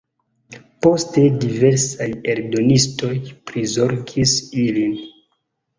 Poste diversaj eldonistoj prizorgis ilin.